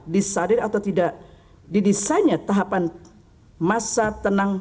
disadir atau tidak didesainnya tahapan masa tenang